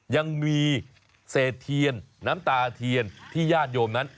ยังมีเศษเทียนน้ำตาเทียนที่ญาติโยมนั้น